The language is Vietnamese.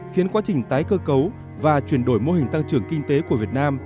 khiến quá trình tái cơ cấu và chuyển đổi mô hình tăng trưởng kinh tế của việt nam